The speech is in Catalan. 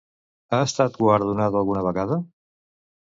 Ha estat guardonada alguna vegada?